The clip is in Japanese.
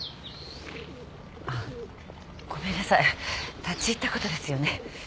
あっごめんなさい立ち入ったことですよね。